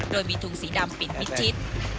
โดยมีถุงสีดำปิดมิดชิด